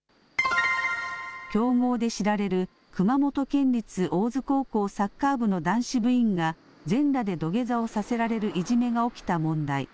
強豪で知られる熊本県立大津高校サッカー部の男子部員が全裸で土下座をさせられるいじめが起きた問題。